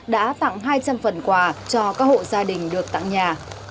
đã tặng hai trăm linh phần quà cho các hộ gia đình được tặng nhà